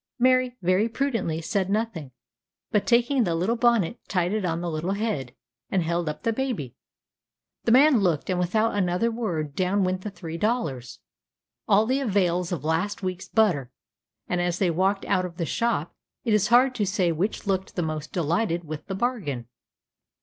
Mary very prudently said nothing, but taking the little bonnet, tied it on the little head, and held up the baby. The man looked, and without another word down went the three dollars all the avails of last week's butter; and as they walked out of the shop, it is hard to say which looked the most delighted with the bargain.